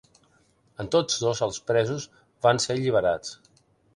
En tots dos, els presos van ser alliberats.